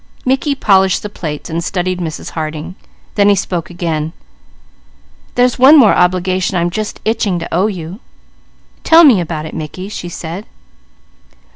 Mickey polished the plates and studied Mrs. Harding. Then he spoke again: "There's one more obligation I'm just itching to owe you." "Tell me about it, Mickey," she said.